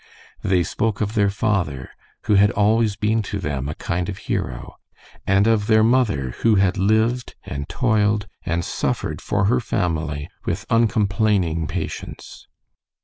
They spoke of their father, who had always been to them a kind of hero; and of their mother, who had lived, and toiled, and suffered for her family with uncomplaining patience.